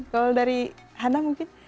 kalau dari hannah mungkin